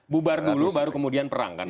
bubar dulu baru kemudian perang kan